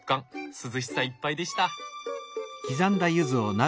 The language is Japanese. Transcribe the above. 涼しさいっぱいでした。